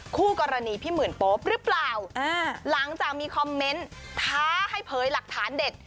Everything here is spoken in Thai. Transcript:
คู่กรณีพี่หมื่นโป๊ปหรือเปล่าหลังจากมีคอมเมนต์ท้าให้เผยหลักฐานเด็ด